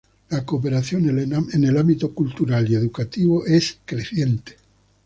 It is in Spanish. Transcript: La cooperación en el ámbito cultural y educativo es creciente.